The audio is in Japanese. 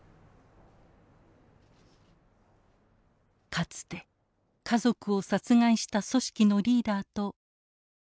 かつて家族を殺害した組織のリーダーと握手を交わした。